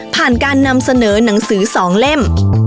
การนำเสนอหนังสือ๒เล่ม